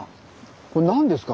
これ何ですか？